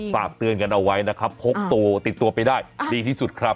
ฝากเตือนกันเอาไว้นะครับพกตัวติดตัวไปได้ดีที่สุดครับ